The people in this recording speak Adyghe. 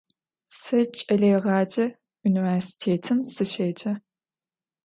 Se ç'eleêğece vunivêrsitêtım sışêce.